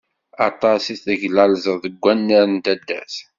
Aṭas i teglalzeḍ deg wannar n taddart.